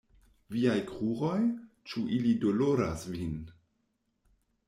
Viaj kruroj? Ĉu ili doloras vin?